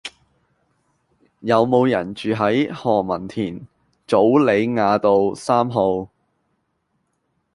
有無人住喺何文田棗梨雅道三號